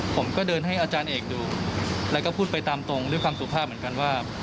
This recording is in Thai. ผมก็เดินให้อาจารย์เอกดูแล้วก็พูดไปตามตรงด้วยความสุภาพเหมือนกันว่า